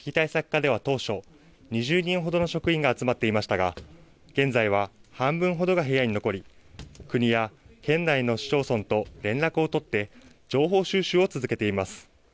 課では当初、２０人ほどの職員が集まっていましたが、現在は半分ほどが部屋に残り国や県内の市町村と連絡を取って情報収集を続けています。